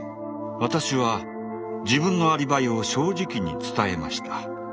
私は自分のアリバイを正直に伝えました。